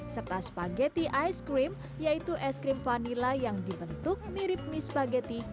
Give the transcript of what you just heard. serta spageti ice cream yaitu es krim vanila yang dibentuk mirip mie spageti